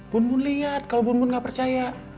bun bun liat kalo bun bun gak percaya